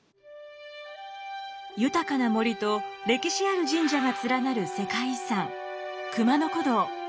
豊かな森と歴史ある神社が連なる世界遺産熊野古道。